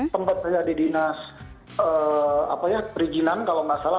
tempat saya di dinas perizinan kalau nggak salah